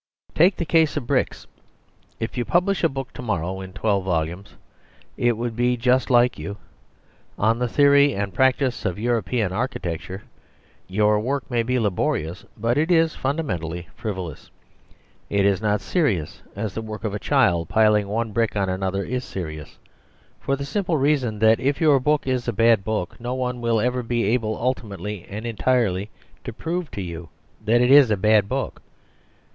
..... Take the case of bricks. If you publish a book to morrow in twelve volumes (it would be just like you) on "The Theory and Practice of European Architecture," your work may be laborious, but it is fundamentally frivolous. It is not serious as the work of a child piling one brick on the other is serious; for the simple reason that if your book is a bad book no one will ever be able ultimately and entirely to prove to you that it is a bad book.